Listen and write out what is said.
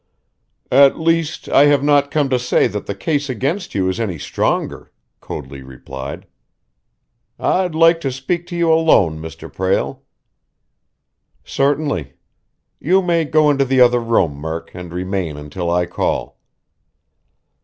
"At least, I have not come to say that the case against you is any stronger," Coadley replied. "I'd like to speak to you alone, Mr. Prale." "Certainly. You may go into the other room, Murk, and remain until I call."